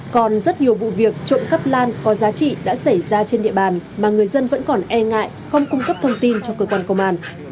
còn rất nhiều vụ việc trộm cắp lan có giá trị đã xảy ra trên địa bàn mà người dân vẫn còn e ngại không cung cấp thông tin cho cơ quan công an